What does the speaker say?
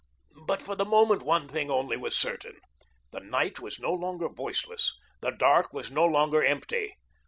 But for the moment, one thing only was certain. The night was no longer voiceless, the dark was no longer empty.